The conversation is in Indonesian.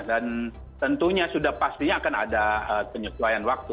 dan tentunya sudah pastinya akan ada penyesuaian waktu